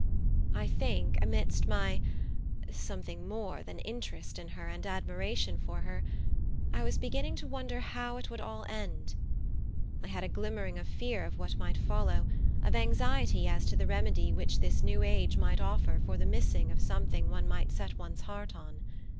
I think amidst my something more than interest in her, and admiration for her, I was beginning to wonder how it would all end. I had a glimmering of fear of what might follow; of anxiety as to the remedy which this new age might offer for the missing of something one might set one's heart on.